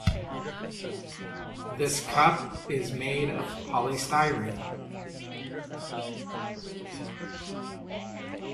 This cup is made of polystyrene.